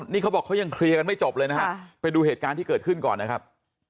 นี่เขาบอกเขายังเคลียร์กันไม่จบเลยนะฮะไปดูเหตุการณ์ที่เกิดขึ้นก่อนนะครับ